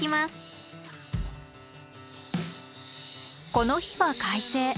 この日は快晴。